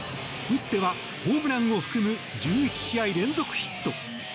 打ってはホームランを含む１１試合連続ヒット。